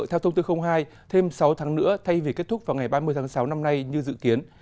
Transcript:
theo thông tư hai thêm sáu tháng nữa thay vì kết thúc vào ngày ba mươi tháng sáu năm nay như dự kiến